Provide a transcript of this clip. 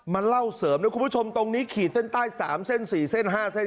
เล่าเสริมนะคุณผู้ชมตรงนี้ขีดเส้นใต้๓เส้น๔เส้น๕เส้น